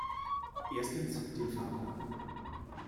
Erstens den Fahrplan.